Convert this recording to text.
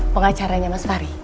pengacaranya mas fahri